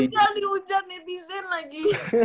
gak usah diujan netizen lagi